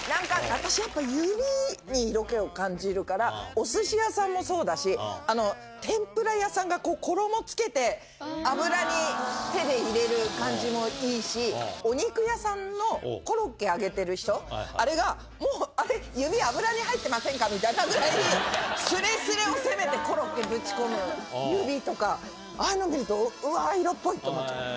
私やっぱ、指に色気を感じるから、おすし屋さんもそうだし、天ぷら屋さんがこう、衣つけて、油に手で入れる感じもいいし、お肉屋さんのコロッケ揚げてる人、あれがもう、あれ、指、油に入ってませんかみたいに、すれすれを攻めてコロッケぶち込む指とか、ああいうの見ると、うわー、色っぽいって思っちゃう。